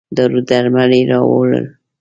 دارو درمل یې راووړل.